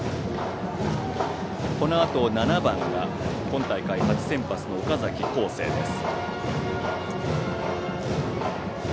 このあと７番が今大会初先発の岡崎幸聖です。